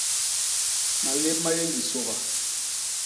Malép ma yé ñgi sôba.